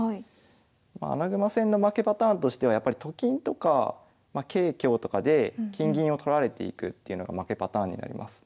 まあ穴熊戦の負けパターンとしてはやっぱりと金とか桂香とかで金銀を取られていくっていうのが負けパターンになります。